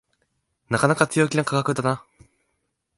なかなか強気な価格だな